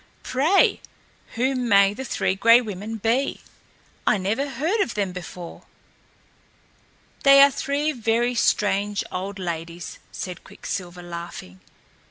"Pray, who may the Three Gray Women be? I never heard of them before." "They are three very strange old ladies," said Quicksilver, laughing.